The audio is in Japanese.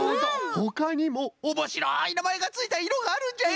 ほかにもおもしろいなまえがついたいろがあるんじゃよ！